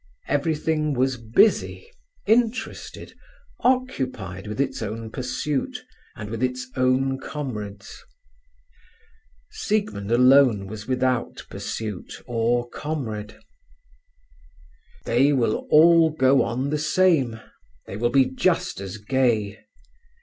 Everything was busy, interested, occupied with its own pursuit and with its own comrades. Siegmund alone was without pursuit or comrade. "They will all go on the same; they will be just as gay.